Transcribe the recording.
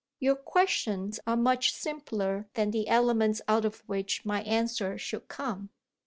"Your questions are much simpler than the elements out of which my answer should come."